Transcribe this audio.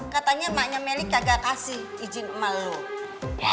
katanya emaknya meli kagak kasih izin emak lo